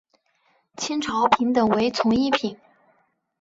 清朝品等为从一品。